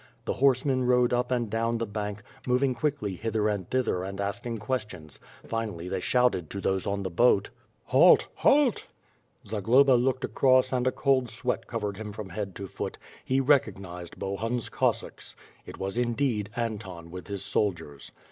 The horsemen rode up and down the bank, moving quickly hither and thither and asking questions, finally they shouted to those on the boat: WITH FIRE AND SWORD, 281 "Halt! Halt!" Zagloba looked across and a cold sweat covered him from head to foot; he recognized Bohun's Cossacks. It was indeed Anton with his soldiers.